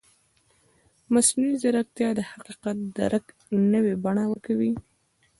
مصنوعي ځیرکتیا د حقیقت درک نوې بڼه ورکوي.